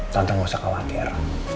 tante gak usah khawatir